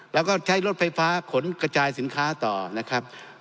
แล้วก็ใช้รถไฟฟ้าขนกระจายสินค้าต่อนะครับ